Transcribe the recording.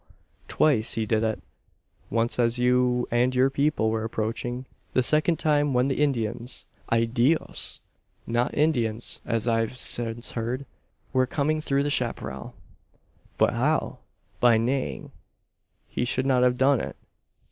"Twice he did it. Once as you and your people were approaching. The second time, when the Indians ay Dios! not Indians, as I've since heard were coming through the chapparal." "But how?" "By neighing. He should not have done it.